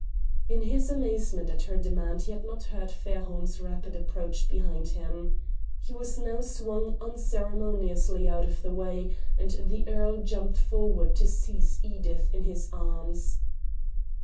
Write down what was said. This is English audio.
In his amazement at her demand he had not heard Fairholme's rapid approach behind him. He was now swung unceremoniously out of the way and the earl jumped forward to seize Edith in his arms.